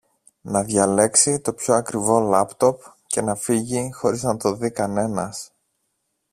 να διαλέξει το πιο ακριβό λάπτοπ και να φύγει χωρίς να τον δει κανένας